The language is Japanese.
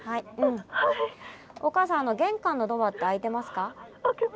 おかあさん玄関のドアって開いてますか？